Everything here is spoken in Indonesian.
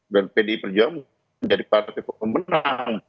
dan pdi perjuangan itu bisa memperoleh reward yang positif